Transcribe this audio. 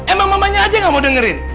emang mamanya aja gak mau dengerin